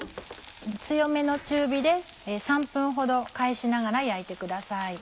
強めの中火で３分ほど返しながら焼いてください。